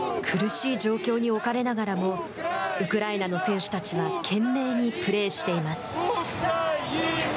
苦しい状況に置かれながらもウクライナの選手たちは懸命にプレーしています。